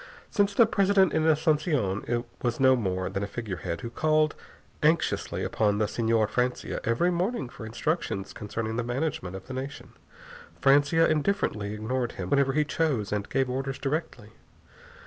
Since the President in Asunción was no more than a figurehead who called anxiously upon the Señor Francia every morning for instructions concerning the management of the nation, Francia indifferently ignored him whenever he chose and gave orders directly.